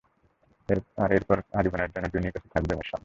আর এরপর আজীবনের জন্য জুনির কাছে থাকবো মিশন!